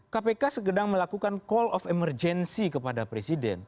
kpk segedang melakukan call of emergency kepada presiden